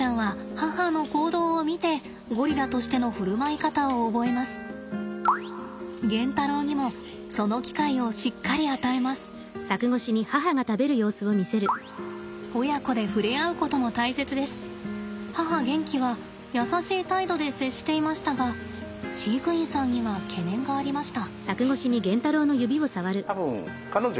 母ゲンキは優しい態度で接していましたが飼育員さんには懸念がありました。